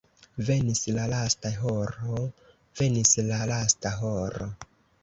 Venis la lasta horo, venis la lasta horo!